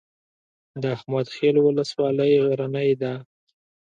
د احمد خیل ولسوالۍ غرنۍ ده